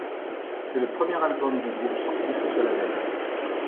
C'est le premier album du groupe sorti sous ce label.